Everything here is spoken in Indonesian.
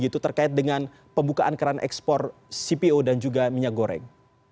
terkait dengan pembukaan keran ekspor cpo dan juga minyak goreng